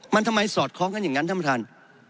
มันทำไมสอดคล้องกันอย่างนั้นท่านประธาน